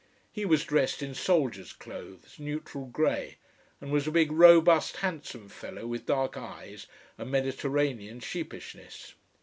He was dressed in soldier's clothes, neutral grey, and was a big, robust, handsome fellow with dark eyes and Mediterranean sheepishness.